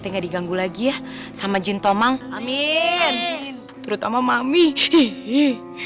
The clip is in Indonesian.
enggak diganggu lagi ya sama jinn tomang amin terutama mami hi hi